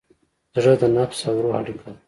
زړه د نفس او روح اړیکه ده.